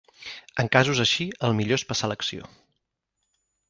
En casos així, el millor és passar a l'acció.